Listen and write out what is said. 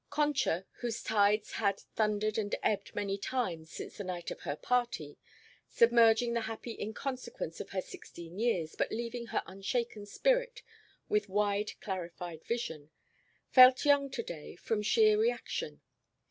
Concha, whose tides had thundered and ebbed many times since the night of her party, submerging the happy inconsequence of her sixteen years, but leaving her unshaken spirit with wide clarified vision, felt young to day from sheer reaction.